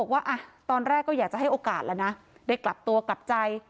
ว่าตอนแรกก็อยากจะให้โอกาสแล้วนะได้กลับตัวกลับใจ